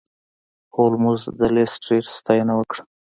هولمز د لیسټرډ ستاینه وکړه.